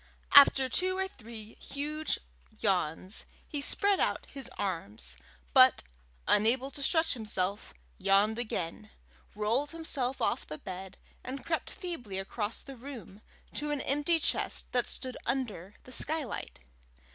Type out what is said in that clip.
After two or three huge yawns, he spread out his arms, but, unable to stretch himself, yawned again, rolled himself off the bed, and crept feebly across the room to an empty chest that stood under the skylight.